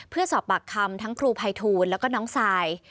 เพื่อสอบปากคำทั้งครูภัยทูลแล้วก็น้องซาย